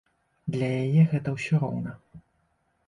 Для яе гэта ўсё роўна.